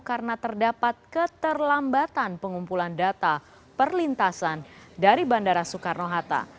karena terdapat keterlambatan pengumpulan data perlintasan dari bandara soekarno hatta